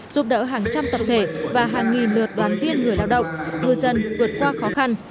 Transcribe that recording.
giúp đỡ hàng trăm tập thể và hàng nghìn lượt đoàn viên người lao động ngư dân vượt qua khó khăn